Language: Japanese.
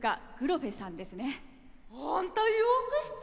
あんたよく知ってんね。